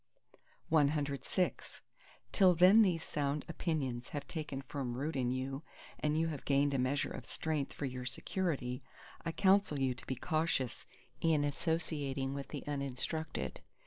CVII Till then these sound opinions have taken firm root in you, and you have gained a measure of strength for your security, I counsel you to be cautious in associating with the uninstructed.